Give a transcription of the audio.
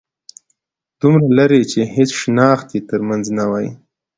دومره لرې چې هيڅ شناخت يې تر منځ نه وای